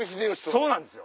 そうなんですよ。